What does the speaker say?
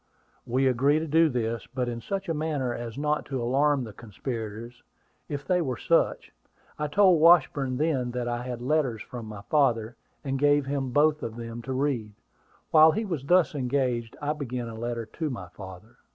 We agreed to do this, but in such a manner as not to alarm the conspirators, if they were such. I told Washburn then that I had letters from my father, and gave him both of them to read. While he was thus engaged, I began a letter to my father.